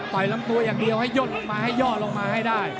ต่อยลำตัวอย่างเดียวให้ย่อลงมาให้ได้